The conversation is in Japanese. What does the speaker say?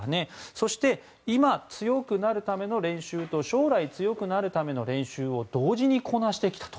そして、今強くなるための練習と将来強くなるための練習を同時にこなしてきたと。